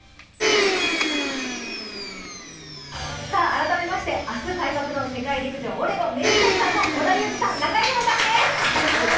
改めまして、明日開幕の世界陸上オレゴン、メインキャスターの織田裕二さん、中井美穂さんです。